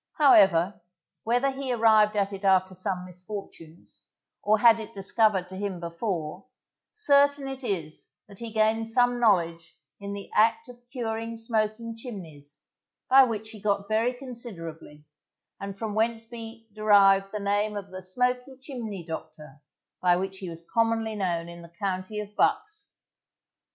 However, whether he arrived at it after some misfortunes, or had it discovered to him before, certain it is that he gained some knowledge in the act of curing smoking chimneys, by which he got very considerably, and from whence be derived the name of the Smoky Chimney Doctor, by which he was commonly known in the county of Bucks.